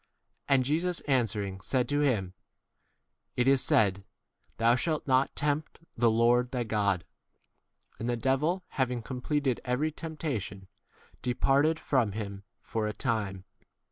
And Jesus answering said to him, It is said, Thou shalt not tempt [the] d Lord 13 thy God. And the devil, having completed every temptation, de parted from him for a time.